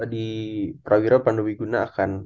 di prawira pandu wiguna akan